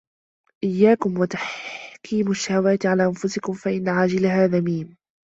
إيَّاكُمْ وَتَحْكِيمَ الشَّهَوَاتِ عَلَى أَنْفُسِكُمْ فَإِنَّ عَاجِلَهَا ذَمِيمٌ